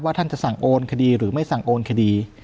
ท่านจะสั่งโอนคดีหรือไม่สั่งโอนคดี